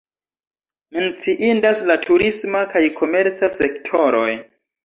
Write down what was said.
Menciindas la turisma kaj komerca sektoroj.